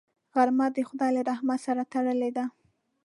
غرمه د خدای له رحمت سره تړلې ده